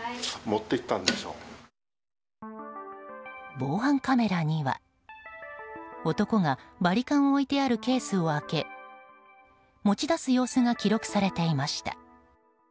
防犯カメラには男が、バリカンを置いてあるケースを開け持ち出す様子が記録されていました。